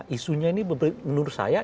isunya ini menurut saya